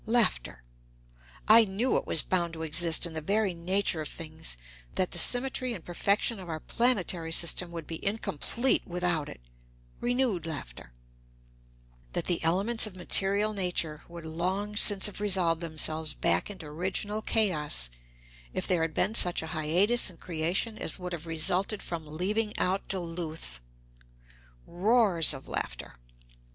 I knew it was bound to exist in the very nature of things; that the symmetry and perfection of our planetary system would be incomplete without it (renewed laughter); that the elements of material nature would long since have resolved themselves back into original chaos, if there had been such a hiatus in creation as would have resulted from leaving out Duluth. (Roars of laughter.)